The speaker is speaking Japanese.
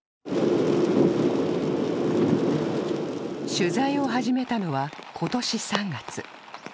取材を始めたのは今年３月。